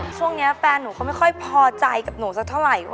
ช่วงนี้แฟนหนูเขาไม่ค่อยพอใจกับหนูสักเท่าไหร่